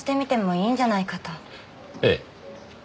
ええ。